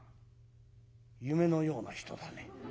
「夢のような人だね。